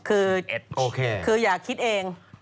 คืออย่าคิดเอง